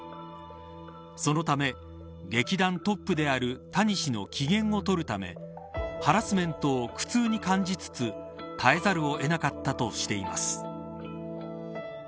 そのため劇団トップである谷氏の機嫌を取るためハラスメントを苦痛に感じつつ耐えざるをえなかったとしています。